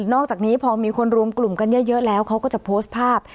นอกจากนี้พอมีคนรวมกลุ่มกันเยอะแล้วเขาก็จะโพสต์ภาพ